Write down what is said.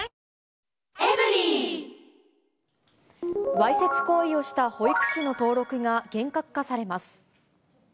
わいせつ行為をした保育士の登録が厳格化されます。